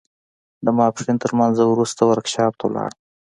د ماسپښين تر لمانځه وروسته ورکشاپ ته ولاړم.